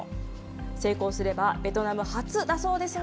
成功すればベトナム初だそうですが。